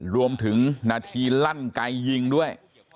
รวมถึงนาทีลั่นไกยยิงด้วย